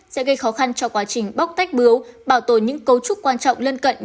sẽ gây khó khăn cho quá trình bóc tách bưu bảo tồn những cấu trúc quan trọng lân cận